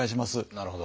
なるほど。